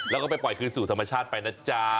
แล้วก็ไปปล่อยคืนสู่ธรรมชาติไปนะจ๊ะ